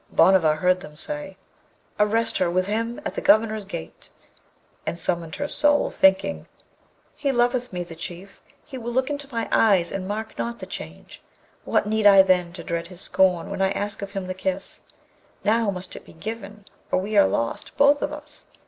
Bhanavar heard them say, 'Arrest her with him at the Governor's gate,' and summoned her soul, thinking, 'He loveth me, the Chief! he will look into my eyes and mark not the change. What need I then to dread his scorn when I ask of him the kiss: now must it be given, or we are lost, both of us!'